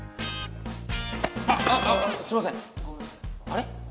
あれ？